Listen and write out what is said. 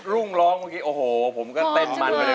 ลุงร้องมาเมื่อกี้โอ้ผมก็เต้นมัน